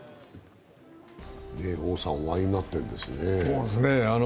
王さん、お会いになっているんですね。